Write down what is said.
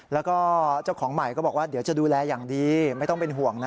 แล้วก็เจ้าของใหม่ก็บอกว่าเดี๋ยวจะดูแลอย่างดีไม่ต้องเป็นห่วงนะ